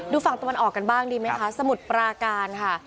ฝั่งตะวันออกกันบ้างดีไหมคะสมุทรปราการค่ะ